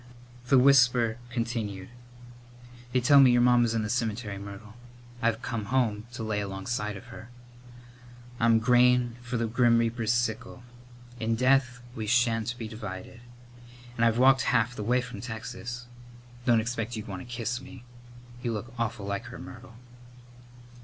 The whisper continued: "They tell me your mamma's in the cem'tery, Myrtle. I've come home to lay alongside of her. I'm grain for the grim reaper's sickle. In death we sha'n't be divided; and I've walked half the way from Texas. Don't expect you'd want to kiss me. You look awful like her, Myrtle."